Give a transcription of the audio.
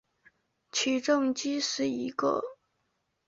起重机是一种。